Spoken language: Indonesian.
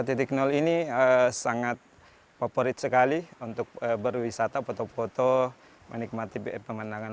titik nol ini sangat favorit sekali untuk berwisata foto foto menikmati pemandangan